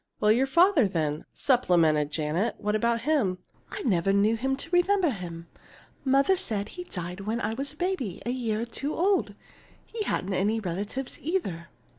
"Well, your father, then?" supplemented Janet. "What about him?" "I never knew him to remember him. Mother said he died when I was a baby a year or two old. He hadn't any relatives, either."